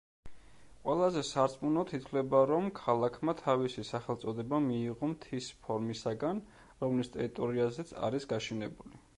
ყველაზე სარწმუნოდ ითვლება, რომ ქალაქმა თავისი სახელწოდება მიიღო მთის ფორმისაგან, რომლის ტერიტორიაზეც არის გაშენებული.